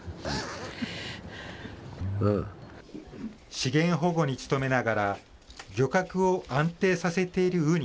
資源保護に努めながら、漁獲を安定させているウニ。